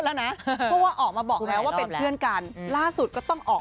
แล้วนะเพราะว่าออกมาบอกแล้วว่าเป็นเพื่อนกันล่าสุดก็ต้องออก